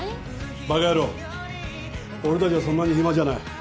バカヤロー俺たちはそんなに暇じゃない。